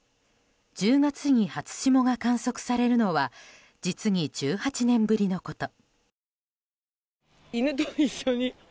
１０月に初霜が観測されるのは実に１８年ぶりのこと。